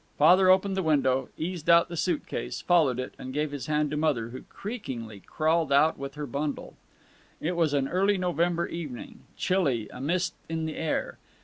Father opened the window, eased out the suit case, followed it, and gave his hand to Mother, who creakingly crawled out with her bundle. It was an early November evening, chilly, a mist in the air.